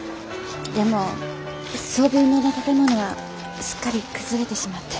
でも聡文堂の建物はすっかり崩れてしまって。